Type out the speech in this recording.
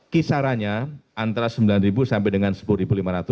kisarannya antara rp sembilan sampai dengan rp sepuluh lima ratus